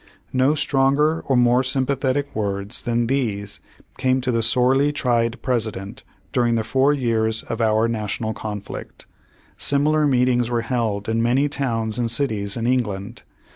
No stronger or more sympathetic words than these came to the sorely tried President during the four years of our National conflict. Similar meetings were held in many towns and cities in England.